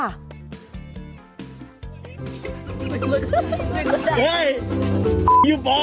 เฮ้ยอยู่บ่ไว้